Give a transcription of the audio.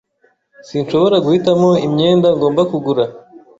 Sinshobora guhitamo imyenda ngomba kugura.